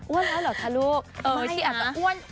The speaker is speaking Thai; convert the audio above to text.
อ้วนแล้วเหรอค่ะลูก